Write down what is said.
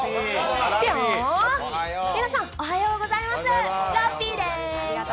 ぴょん、皆さん、おはようございます、ラッピーです。